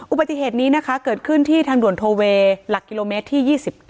อุบัติเหตุนี้นะคะเกิดขึ้นที่ทางด่วนโทเวย์หลักกิโลเมตรที่๒๙